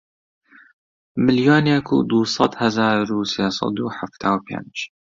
ملیۆنێک و دوو سەد هەزار و سێ سەد و حەفتا و پێنج